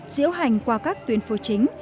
diễu hành qua các tuyến phố chính